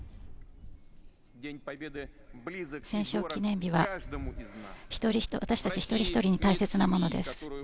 戦勝記念日は私たち１人１人に大切なものです。